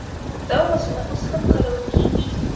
دا وسله اوس هم کارول کیږي.